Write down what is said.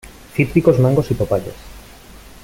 Cítricos, mangos y papayas.